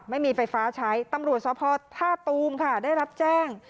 ไม่มีไฟฟ้าใช้ตำรวจสภท่าตูมค่ะได้รับแจ้ง